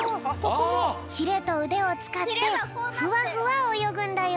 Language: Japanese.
ひれとうでをつかってふわふわおよぐんだよ。